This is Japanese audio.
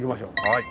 はい。